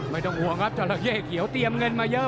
ไม่ต้องห่วงครับจราเข้เขียวเตรียมเงินมาเยอะ